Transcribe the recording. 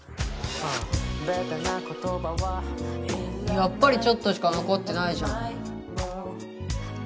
やっぱりちょっとしか残ってないじゃん。